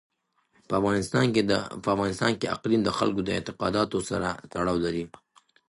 په افغانستان کې اقلیم د خلکو د اعتقاداتو سره تړاو لري.